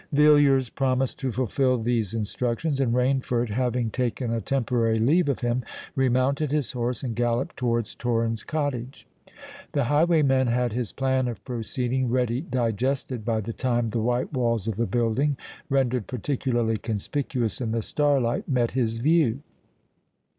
Villiers promised to fulfil these instructions; and Rainford, having taken a temporary leave of him, remounted his horse and galloped towards Torrens Cottage. The highwayman had his plan of proceeding ready digested by the time the white walls of the building, rendered particularly conspicuous in the starlight, met his view.